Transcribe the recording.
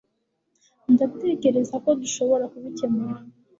ndatekereza ko dushobora kubikemura